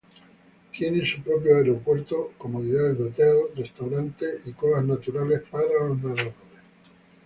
Tiene su propio aeropuerto, comodidades de hotel, restaurantes y cuevas naturales para los nadadores.